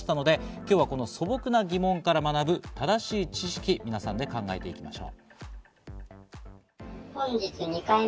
今日は素朴な疑問から学ぶ正しい知識を皆さんで考えていきましょう。